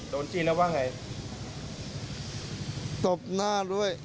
โดนจี้แล้วว่าไง